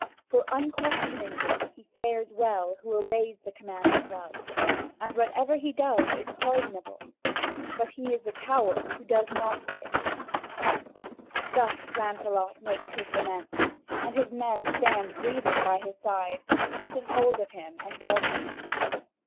For unquestionably he fares well who obeys the commands of love, and whatever he does is pardonable, but he is the coward who does not dare." (Vv. 4415 4440.) Thus Lancelot makes his lament, and his men stand grieving by his side, keeping hold of him and guarding him.